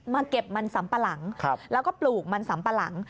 เก็บมันสำปะหลังแล้วก็ปลูกมันสำปะหลัง